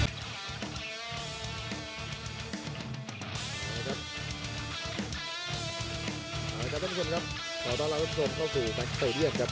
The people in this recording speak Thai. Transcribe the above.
สวัสดีครับทุกคนครับขอต้อนรับรับทรงเข้าสู่แม็กซีเตอร์เดียนครับ